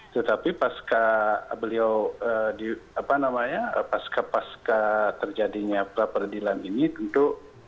tetapi pasca beliau apa namanya pasca pasca terjadinya peradilan ini tentu